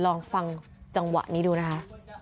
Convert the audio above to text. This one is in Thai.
ลองฟังจังหวะนี้ดูนะคะ